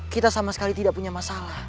kita sama sekali tidak punya masalah